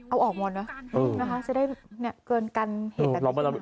เอาออกหมดน่ะเออนะคะจะได้เนี่ยเกินกันเหตุแบบนี้